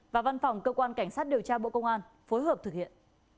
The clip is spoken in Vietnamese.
và văn phòng cơ quan cảnh sát điều tra bộ công an phối hợp thực hiện